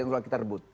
jangan lupa kita rebut